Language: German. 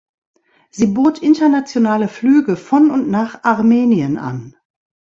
Sie bot internationale Flüge von und nach Armenien an.